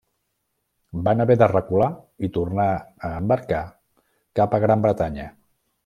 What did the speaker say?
Van haver de recular i tornar a embarcar cap a Gran Bretanya.